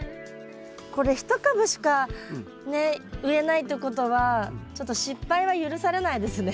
これ１株しかねっ植えないってことはちょっと失敗は許されないですね。